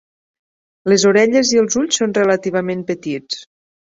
Les orelles i els ulls són relativament petits.